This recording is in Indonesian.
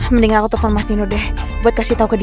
mendingan aku telepon mas dino deh buat kasih tau ke dia